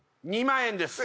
２万円です